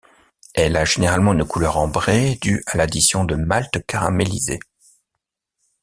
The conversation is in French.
Elle a généralement une couleur ambrée due à l'addition de malt caramélisé.